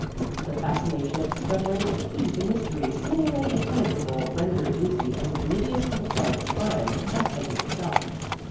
The fascination of discovering a key to mysteries seemingly impenetrable rendered Lucy as oblivious to the flight of time as Peggy herself.